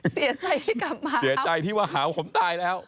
เสียใจที่กลับมาเสียใจที่ว่าหาว่าผมตายแล้ว